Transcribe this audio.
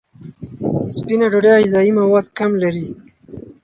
سپینه ډوډۍ غذایي مواد کم لري.